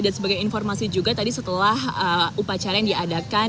dan sebagai informasi juga tadi setelah upacara yang diadakan